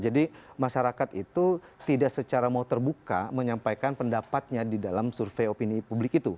jadi masyarakat itu tidak secara mau terbuka menyampaikan pendapatnya di dalam survei opini publik itu